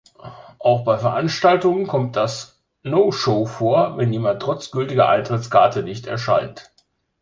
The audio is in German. Auch bei Veranstaltungen kommt das "no-show" vor, wenn jemand trotz gültiger Eintrittskarte nicht erscheint.